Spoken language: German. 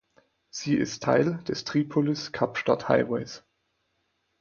Sie ist Teil des Tripolis-Kapstadt-Highways.